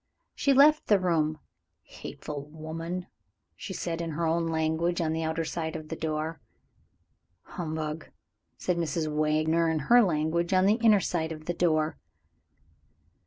She left the room. "Hateful woman!" she said in her own language, on the outer side of the door. "Humbug!" said Mrs. Wagner in her language, on the inner side of the door.